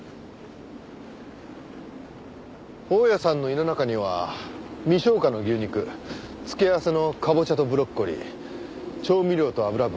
大屋さんの胃の中には未消化の牛肉付け合わせのかぼちゃとブロッコリー調味料と脂分。